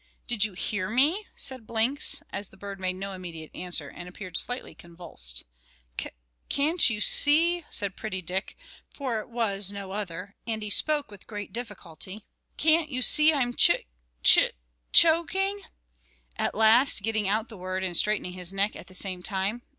"Did you hear me?" said Blinks, as the bird made no immediate answer and appeared slightly convulsed. "Ca can't you see," said Pretty Dick; for it was no other, and he spoke with great difficulty "can't you see I'm chic chu choking?" at last getting out the word and straightening his neck at the same time.